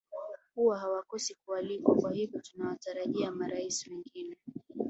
huwa hawakosi kualikwa kwa hivyo tunawatarajia marais wengine